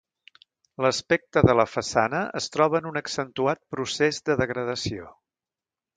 L'aspecte de la façana es troba en un accentuat procés de degradació.